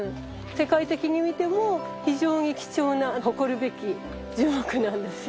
世界的に見ても非常に貴重な誇るべき樹木なんですよ。